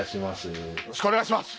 よろしくお願いします！